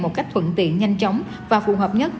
một cách thuận tiện nhanh chóng và phù hợp nhất